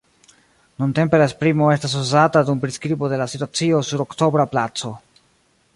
Nuntempe la esprimo estas uzata dum priskribo de la situacio sur Oktobra Placo.